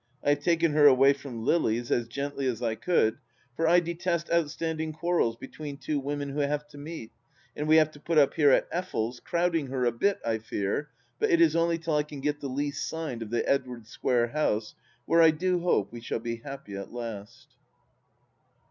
I have taken her away from Lily's, as gently as I could, for I detest outstanding quarrels between two women who have to meet, and we have to put up here at Effel's, crowding her a bit, I fear, but it is only till I can get the lease signed of the Edwardes Square house, where I do hope we shall be happy at last.